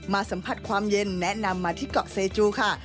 สัมผัสความเย็นแนะนำมาที่เกาะเซจูค่ะ